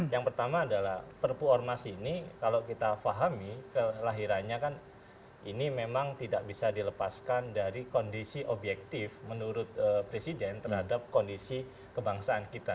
yang pertama adalah perpu ormas ini kalau kita fahami kelahirannya kan ini memang tidak bisa dilepaskan dari kondisi objektif menurut presiden terhadap kondisi kebangsaan kita